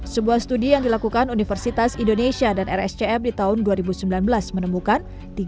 sebuah studi yang dilakukan universitas indonesia dan rscm di tahun dua ribu sembilan belas menemukan